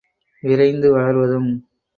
விரைந்து வளர்வதும்